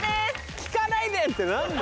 「聞かないで！」って何なんだ。